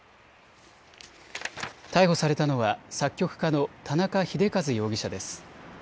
逮捕されたのは作曲家の田中秀和容疑者です。